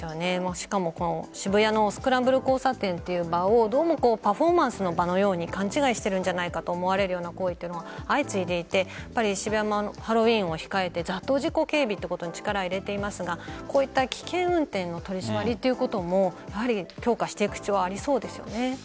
しかも渋谷のスクランブル交差点という場をどうもパフォーマンスの場のように勘違いしているんじゃないかと思われるような行為は相次いでいて渋谷のハロウィーンを控えて雑踏事故警備に力を入れていますが危険運転の取り締まりも強化していく必要はありそうですね。